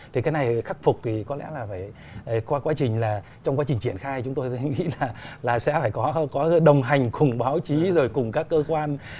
thì cái này khắc phục thì có lẽ là phải qua quá trình là trong quá trình triển khai chúng tôi nghĩ là sẽ phải có đồng hành cùng báo chí rồi cùng các cơ quan